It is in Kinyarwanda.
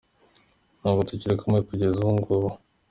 Ntabwo tukiri kumwe kugeza kuri ubu ngubu…”.